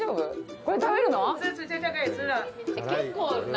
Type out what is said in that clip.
これ、食べるの！？